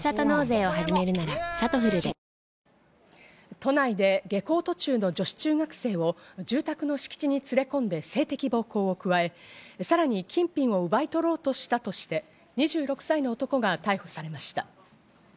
都内で下校途中の女子中学生を住宅の敷地に連れ込んで性的暴行を加え、さらに金品を奪い取ろうとしたとして、２６歳の男が逮捕されました。